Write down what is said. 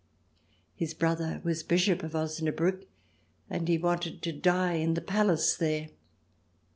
His brother was Bishop of Osnabriick, and he wanted to die in the palace there.